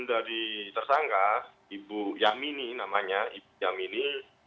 sudah ditersangka ibu yamini namanya ibu yamini